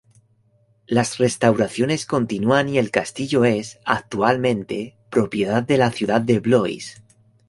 Las restauraciones continúan y el castillo es, actualmente, propiedad de la ciudad de Blois.